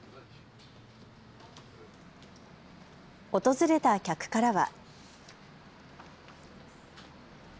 訪れた客からは。